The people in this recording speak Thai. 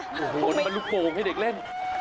โอ้โหนี่มันลูกโปรงไอ้เด็กแร่ง